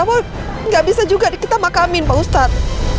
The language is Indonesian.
tapi sampai sekarang jenazah mas rafa tidak bisa juga kita makamin pak ustadz